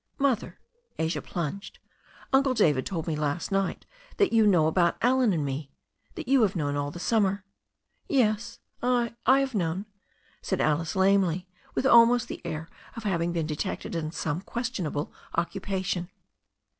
"Mother," Asia plunged, "Uncle David told me last night that you know about Allen and me — ^that you have known all the summer." "Yes, I — I have known," said Alice lamely, with almost the air of having been detected in some questionable occu pation.